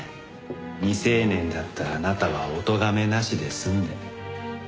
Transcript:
未成年だったあなたはおとがめなしで済んで。